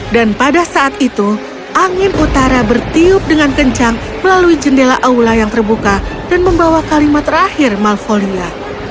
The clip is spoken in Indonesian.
dan pada saat itu angin utara bertiup dengan kencang melalui jendela aula yang terbuka dan membawa kalimat terakhir malvolia